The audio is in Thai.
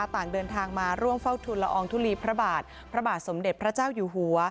ต่างเดินทางมาร่วมเฝ้าทุนละอองทุลีพระบาทพระบาทสมเด็จพระเจ้าอยู่หัว